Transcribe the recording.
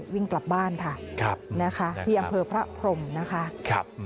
วิ่งกลับบ้านค่ะนะคะที่อำเภอพระพรมนะคะ